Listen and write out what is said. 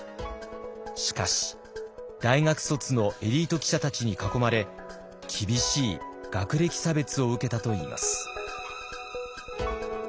しかし大学卒のエリート記者たちに囲まれ厳しい学歴差別を受けたといいます。